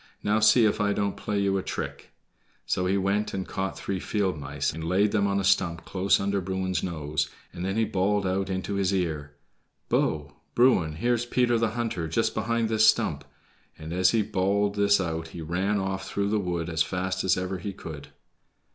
"Now, see if I don't play you a trick." So he went and caught three field mice and laid them on a stump close under Bruin's nose, and then he bawled out into his ear, "Bo! Bruin, here's Peter the Hunter, just behind this stump"; and as he bawled this out he ran off through the wood as fast as ever he could.